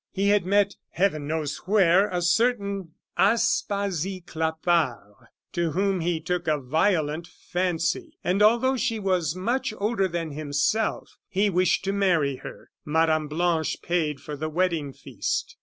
He had met, Heaven knows where! a certain Aspasie Clapard, to whom he took a violent fancy, and although she was much older than himself, he wished to marry her. Mme. Blanche paid for the wedding feast.